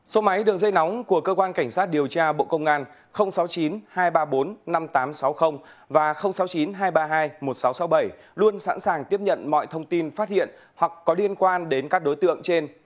số máy đường dây nóng của cơ quan cảnh sát điều tra bộ công an sáu mươi chín hai trăm ba mươi bốn năm nghìn tám trăm sáu mươi và sáu mươi chín hai trăm ba mươi hai một nghìn sáu trăm sáu mươi bảy luôn sẵn sàng tiếp nhận mọi thông tin phát hiện hoặc có liên quan đến các đối tượng trên